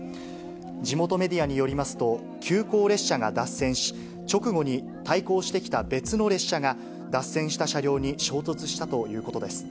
地元メディアによりますと、急行列車が脱線し、直後に対向してきた別の列車が、脱線した車両に衝突したということです。